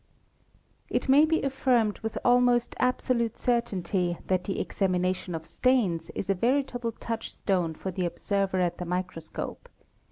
It may be affirmed with almost absolute certainty that the examination of stains is a veritable touch stone for the observer at the microscope.